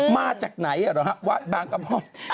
มาจากไหนหรือครับว่าบางกระพ่อ